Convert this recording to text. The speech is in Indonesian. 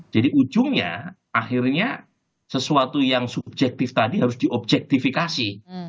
jadi ujungnya akhirnya sesuatu yang subjektif tadi harus diobjektifikasi